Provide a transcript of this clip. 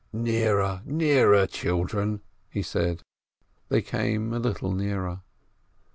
"Nearer, nearer, children !" he said. They came a little nearer.